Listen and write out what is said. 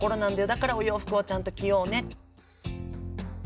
だからお洋服はちゃんと着ようね。